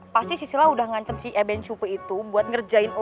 pasti si sila udah ngancem si eben cupu itu buat ngerjain lo